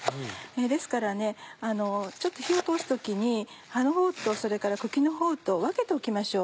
ですからねちょっと火を通す時に葉のほうと茎のほうと分けておきましょう。